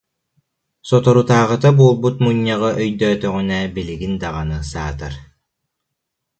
Соторутааҕыта буолбут мунньаҕы ійдіітіҕүнэ билигин даҕаны саатар